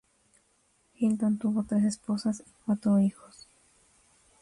Hilton tuvo tres esposas y cuatro hijos.